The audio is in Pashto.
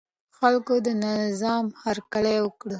خلکو د نظام هرکلی وکړ.